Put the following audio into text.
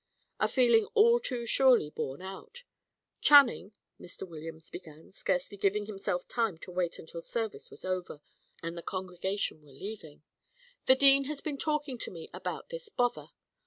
A feeling all too surely borne out. "Channing," Mr. Williams began, scarcely giving himself time to wait until service was over and the congregation were leaving, "the dean has been talking to me about this bother.